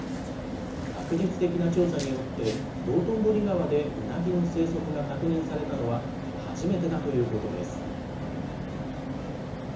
学術的な調査によって、道頓堀川でウナギの生息が確認されたのは初めてだということです。